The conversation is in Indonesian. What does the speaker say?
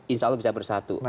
insya allah bisa bersatu